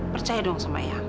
percaya dong sama yang